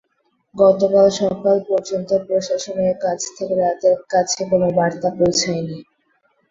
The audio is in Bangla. গতকাল সকাল পর্যন্ত প্রশাসনের কাছ থেকে তাদের কাছে কোনো বার্তা পৌঁছায়নি।